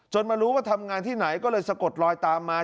มารู้ว่าทำงานที่ไหนก็เลยสะกดลอยตามมา